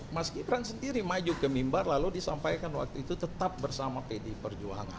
mas gibran sendiri maju ke mimbar lalu disampaikan waktu itu tetap bersama pdi perjuangan